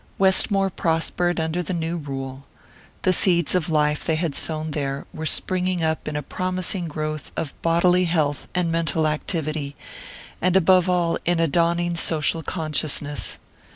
Westmore prospered under the new rule. The seeds of life they had sown there were springing up in a promising growth of bodily health and mental activity, and above all in a dawning social consciousness.